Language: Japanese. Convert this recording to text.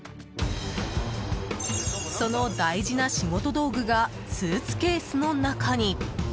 その大事な仕事道具がスーツケースの中に。